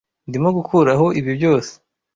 Ndimo gukuraho ibi byose.